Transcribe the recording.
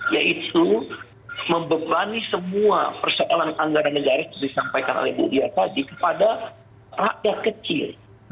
yaitu membebani semua persoalan anggaran negara yang disampaikan oleh bu dia tadi kepada rakyat kecil